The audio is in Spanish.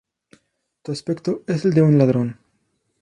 Tu aspecto es el de un ladrón.